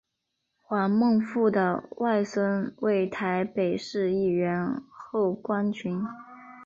黄孟复的外甥为台北市议员侯冠群。